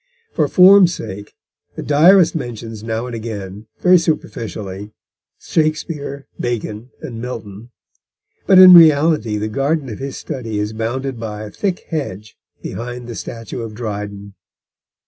For form's sake, the Diarist mentions now and again, very superficially, Shakespeare, Bacon, and Milton; but in reality, the garden of his study is bounded by a thick hedge behind the statue of Dryden.